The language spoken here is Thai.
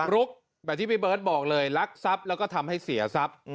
ลุกแบบที่พี่เบิร์ตบอกเลยรักทรัพย์แล้วก็ทำให้เสียทรัพย์